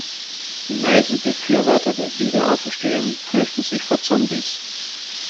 Die meisten Befürworter der Wiederauferstehung fürchten sich vor Zombies.